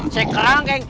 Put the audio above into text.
saya kerang keng